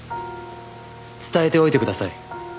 伝えておいてください。